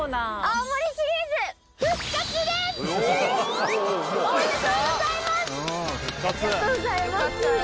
ありがとうございます。